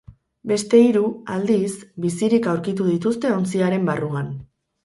Beste hiru, aldiz, bizirik aurkitu zituzte ontziaren barruan.